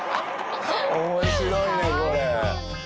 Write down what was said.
面白いねこれ。